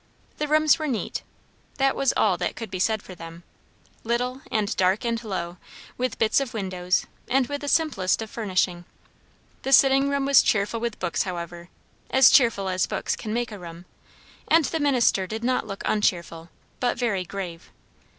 The rooms were neat; that was all that could be said for them; little and dark and low, with bits of windows, and with the simplest of furnishing. The sitting room was cheerful with books, however as cheerful as books can make a room; and the minister did not look uncheerful, but very grave.